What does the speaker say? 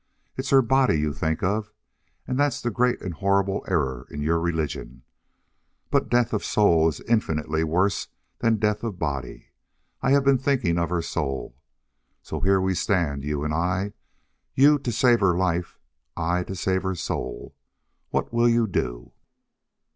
It's her body you think of. And that's the great and horrible error in your religion.... But death of the soul is infinitely worse than death of the body. I have been thinking of her soul.... So here we stand, you and I. You to save her life I to save her soul! What will you do?"